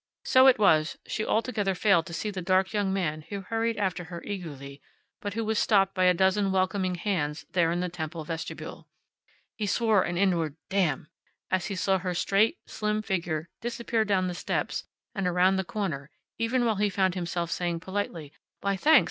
So it was she altogether failed to see the dark young man who hurried after her eagerly, and who was stopped by a dozen welcoming hands there in the temple vestibule. He swore a deep inward "Damn!" as he saw her straight, slim figure disappear down the steps and around the corner, even while he found himself saying, politely, "Why, thanks!